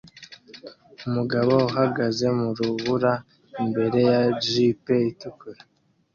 Umugabo uhagaze mu rubura imbere ya jeep itukura